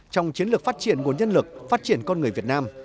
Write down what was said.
trong chiến lược phát triển nguồn nhân lực phát triển con người việt nam